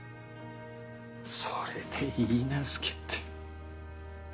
それで許嫁って。